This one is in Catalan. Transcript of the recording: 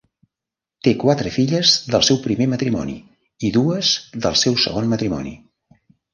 Té quatre filles del seu primer matrimoni i dues del seu segon matrimoni.